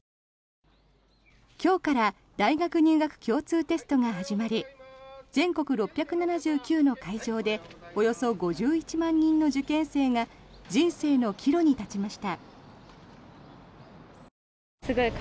今日から大学入学共通テストが始まり全国６７９の会場でおよそ５１万人の受験生が人生の岐路に立ちました。